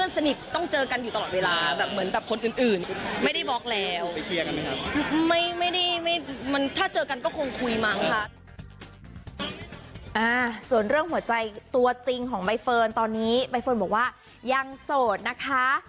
ส่วนเรื่องหัวใจตัวจริงของใบเฟิร์นตอนนี้ใบเฟิร์นบอกว่ายังโสดนะคะ